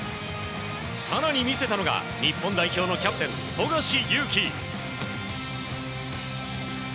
更に見せたのが日本代表のキャプテン、富樫勇樹。